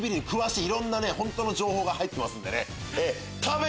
いろんな本当の情報が入ってます。